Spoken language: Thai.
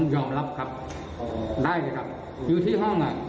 ยอมรับครับได้เลยครับอยู่ที่ห้องอ่ะ